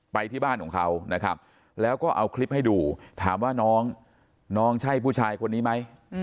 ไปที่บ้านของเขานะครับแล้วก็เอาคลิปให้ดูถามว่าน้องน้องใช่ผู้ชายคนนี้ไหม